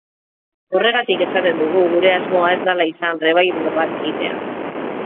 Horregatik esaten dugu gure asmoa ez dela izan revival bat egitea.